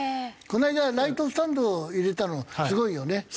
この間ライトスタンド入れたのすごいよね。